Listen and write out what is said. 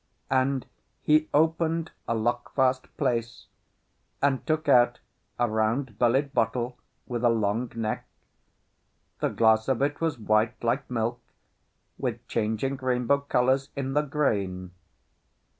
And he opened a lockfast place, and took out a round bellied bottle with a long neck; the glass of it was white like milk, with changing rainbow colours in the grain.